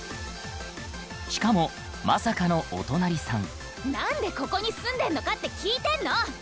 しかもまさかのお隣さんなんでここに住んでんのかって聞いてんの！